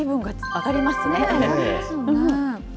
上がりますよね。